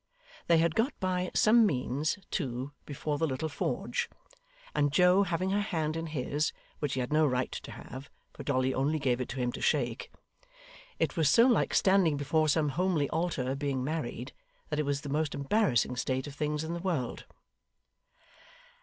They had got by some means, too, before the little forge; and Joe having her hand in his (which he had no right to have, for Dolly only gave it him to shake), it was so like standing before some homely altar being married, that it was the most embarrassing state of things in the world.